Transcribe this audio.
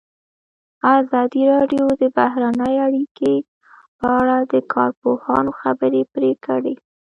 ازادي راډیو د بهرنۍ اړیکې په اړه د کارپوهانو خبرې خپرې کړي.